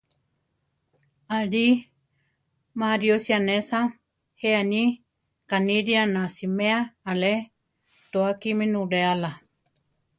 Aʼlí, ma ariósi anésa, jé aní: kanilía na siméa Ale tóa Kimu nuléala.